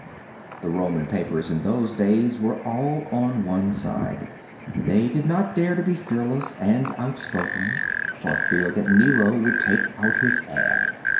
The Roman papers in those days were all on one side. They did not dare to be fearless and outspoken, for fear that Nero would take out his ad.